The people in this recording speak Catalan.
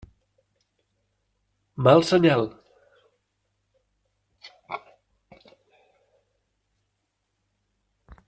Mal senyal.